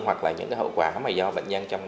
hoặc là những hậu quả